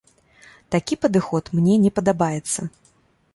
Такі падыход мне не падабаецца.